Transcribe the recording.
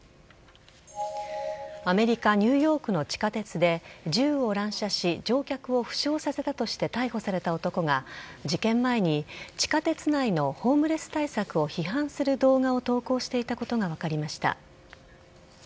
アメリカニューヨークの地下鉄で銃を乱射し乗客を負傷させたとして逮捕された男が事件前に、地下鉄内のホームレス対策を批判する動画を投稿していたことが分かりました。